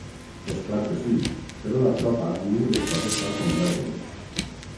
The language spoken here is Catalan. És clar que sí, però la tropa viu les coses tal com ragen.